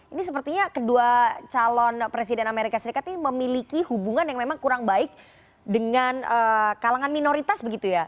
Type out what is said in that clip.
ini sepertinya kedua calon presiden amerika serikat ini memiliki hubungan yang memang kurang baik dengan kalangan minoritas begitu ya